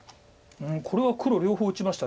これは黒両方打ちました。